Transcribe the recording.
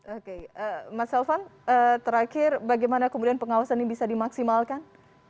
oke mas elvan terakhir bagaimana kemudian pengawasan ini bisa dimaksimalkan